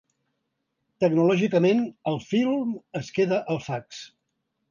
Tecnològicament, el film es queda al fax.